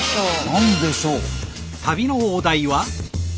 何でしょう。